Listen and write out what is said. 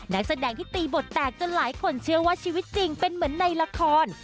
นักแสดงที่ตีบทแตกจนหลายคนเชื่อว่าชีวิตจริงเป็นเหมือนในละคร